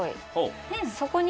そこに。